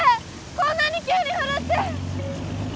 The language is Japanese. こんなに急に降るって。